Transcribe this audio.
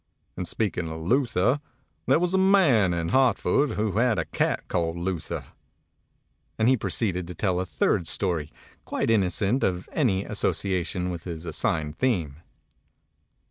And speaking of Luther, there was a man in Hartford who had a cat called Luther," and he proceeded to tell a third story, quite inno t of any association with his assigned theme.